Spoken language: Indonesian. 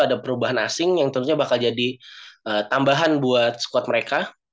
ada perubahan asing yang tentunya bakal jadi tambahan buat squad mereka